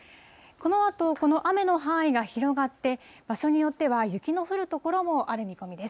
このあと、この雨の範囲が広がって、場所によっては雪の降る所もある見込みです。